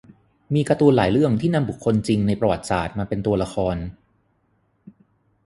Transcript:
มีการ์ตูนหลายเรื่องที่นำบุคคลจริงในประวัติศาสตร์มาเป็นตัวละคร